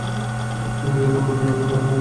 তুমি যত উন্নতি করবে, আমি ততই খুশি হব।